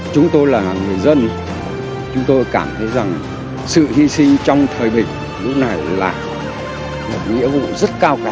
chúng tôi là người dân chúng tôi cảm thấy rằng sự hy sinh trong thời bình lúc này là một nghĩa vụ rất cao cả